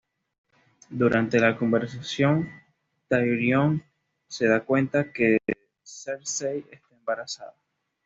Durante la conversación, Tyrion se da cuenta que Cersei está embarazada.